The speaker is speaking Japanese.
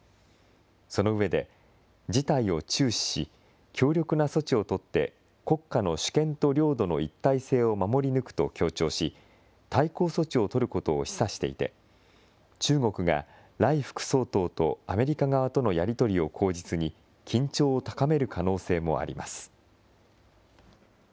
その上で、事態を注視し、強力な措置を取って国家の主権と領土の一体性を守り抜くと強調し、対抗措置を取ることを示唆していて、中国が頼副総統とアメリカ側とのやり取りを口実に、緊張を高める可能性もあります。